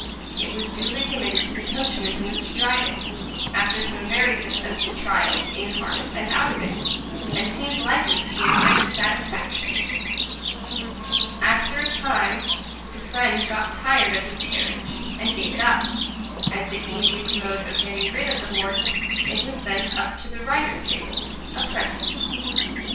It was duly committed to the coachman who was to drive it, after some very successful trials in harness and out of it, and seemed likely to give great satisfaction. After a time, the friend got tired of his carriage, and gave it up; as the easiest mode of getting rid of the horse, it was sent up to the writer's stables, a present.